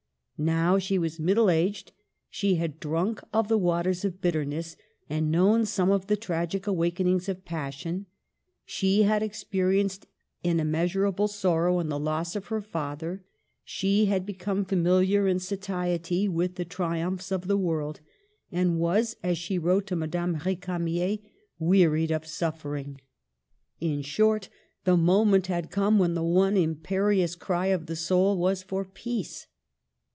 Now she was middle aged ; she had drunk of the waters of bitterness and known some of the tragic awakenings of passion ; she had experienced an immeasurable sorrow in the loss of her father ; she had become familiar to satiety with the tri umphs of the world ; and was, as she wrote to Madame R^camier, "wearied of suffering." In short the moment had come when the one impe rious cry of her soul was for peace.